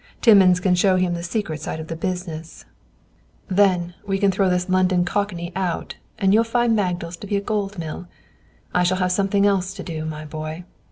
Timmins can show him the secret side of the business; then, we can throw this London cockney out, and you'll find Magdal's to be a gold mill. I shall have something else to do, my boy.